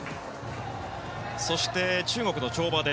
そして、中国の跳馬。